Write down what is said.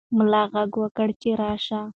ملا غږ وکړ چې راشه.